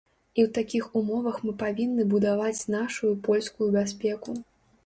І ў такіх умовах мы павінны будаваць нашую польскую бяспеку.